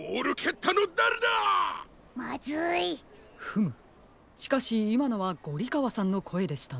フムしかしいまのはゴリかわさんのこえでしたね。